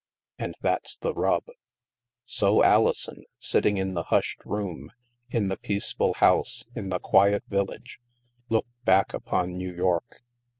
And that's the rub! So Alison, sitting in the hushed room, in the peaceful house, in the quiet village, looked back upon New York.